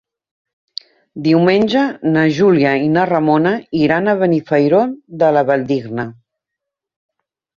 Diumenge na Júlia i na Ramona iran a Benifairó de la Valldigna.